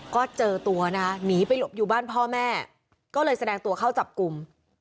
ก็เจอตัวนะคะหนีไปหลบอยู่บ้านพ่อแม่ก็เลยแสดงตัวเข้าจับกลุ่ม